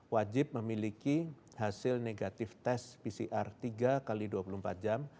wajib memiliki hasil negatif tes pcr tiga x dua puluh empat jam